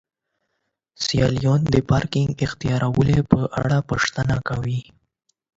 سیلانیان د پارکینګ اختیارونو په اړه پوښتنه کوي.